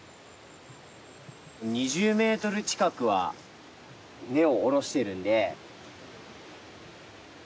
２０メートル近くは根を下ろしてるんで。